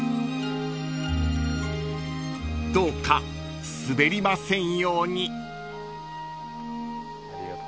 ［どうかスベりませんように］